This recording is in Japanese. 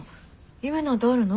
夢なんてあるの？